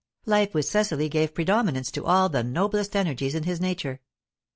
Life with Cecily gave predominance to all the noblest energies in his nature.